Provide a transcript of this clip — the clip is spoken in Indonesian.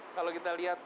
kalau kita lihat